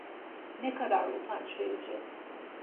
Ne kadar utanç verici.